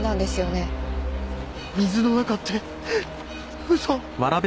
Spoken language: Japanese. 水の中って嘘！